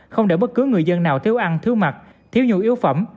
không để bất cứ người dân nào thiếu ăn thiếu mặt thiếu nhu yếu phẩm